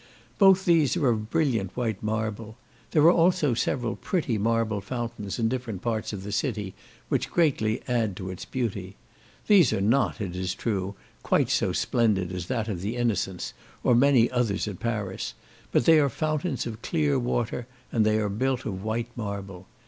Both these are of brilliant white marble. There are also several pretty marble fountains in different parts of the city, which greatly add to its beauty. These are not, it is true, quite so splendid as that of the Innocents, or many others at Paris, but they are fountains of clear water, and they are built of white marble.